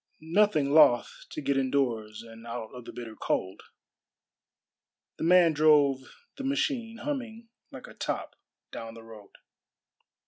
Nothing loth to get indoors and out of the bitter cold, the man drove the machine, humming like a top, down the road.